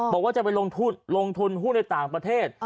บอกว่าจะไปลงทุนหุ้นในต่างประเทศ